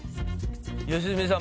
良純さん